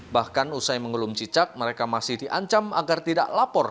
bahkan usai mengelum cicak mereka masih diancam agar tidak lapor